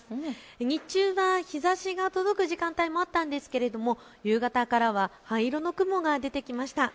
日中は日ざしが届く時間帯もあったんですけれども夕方からは灰色の雲が出てきました。